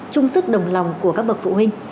trung sức đồng lòng của các bậc phụ huynh